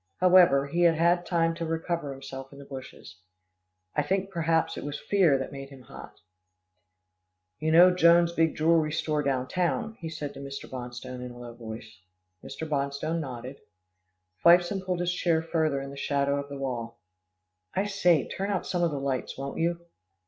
However, he had had time to recover himself in the bushes. I think perhaps it was fear that made him hot. "You know Jones' big jewelry store down town," he said to Mr. Bonstone in a low voice. Mr. Bonstone nodded. Fifeson pulled his chair further in the shadow of the wall. "I say, turn out some of the lights, won't you?"